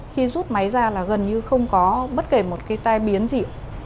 khi rút máy ra là gần như không có bất kể một cái tai biến gì